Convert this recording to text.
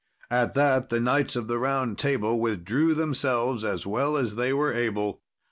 At that the Knights of the Round Table withdrew themselves as well as they were able.